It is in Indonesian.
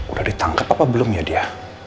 udah ditangkap apa belum ya dia